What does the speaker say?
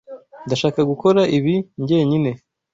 Ndashaka gukora ibi njyenyine.